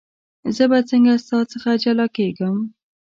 زه به څنګه ستا څخه جلا کېږم.